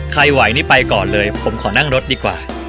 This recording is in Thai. ไหวนี่ไปก่อนเลยผมขอนั่งรถดีกว่า